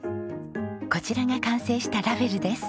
こちらが完成したラベルです。